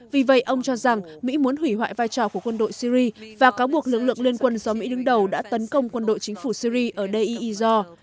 vì vậy ông cho rằng mỹ muốn hủy hoại vai trò của quân đội syri và cáo buộc lực lượng liên quân do mỹ đứng đầu đã tấn công quân đội chính phủ syri ở dei izor